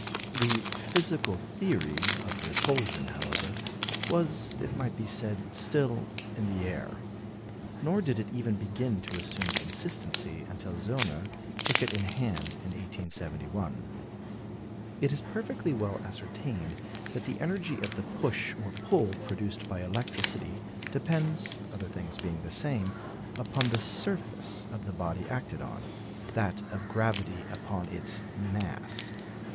The physical theory of repulsion, however, was, it might be said, still in the air. Nor did it even begin to assume consistency until Zöllner took it in hand in 1871. It is perfectly well ascertained that the energy of the push or pull produced by electricity depends (other things being the same) upon the surface of the body acted on; that of gravity upon its mass.